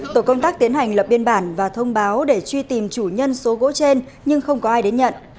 tổ công tác tiến hành lập biên bản và thông báo để truy tìm chủ nhân số gỗ trên nhưng không có ai đến nhận